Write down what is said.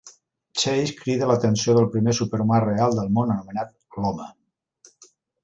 Chase crida l'atenció del primer superhumà real del món, anomenat "L'home".